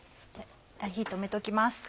火止めときます。